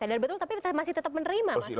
sadar betul tapi masih tetap menerima mas yusuf imin